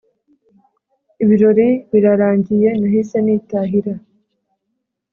ibirori birarangiye nahise nitahira.